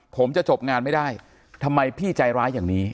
ผมจะจบงานไม่ได้ทำไมพี่ใจร้ายอย่างนี้